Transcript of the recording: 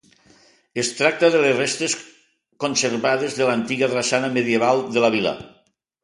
Es tracta de les restes conservades de l'antiga drassana medieval de la vila.